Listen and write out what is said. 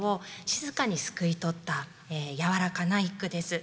静かにすくい取った柔らかな一句です。